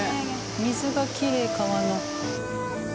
水がきれい川の。